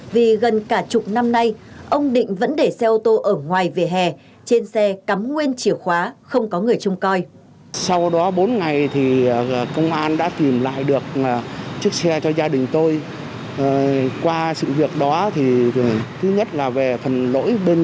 vì gần cả chục năm nay ông định vẫn để xe ô tô ở ngoài vỉa hè trên xe cắm nguyên chìa khóa không có người trông coi